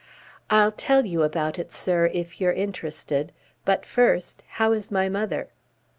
"I'll tell you about it, sir, if you're interested. But first how is my mother?"